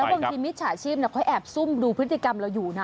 แล้วบางชีพมิตรชาชีพนะค่อยแอบซุ่มดูพฤติกรรมเราอยู่นะ